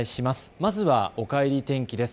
まずはおかえり天気です。